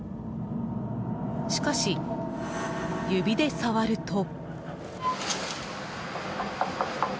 しかし、指で触ると。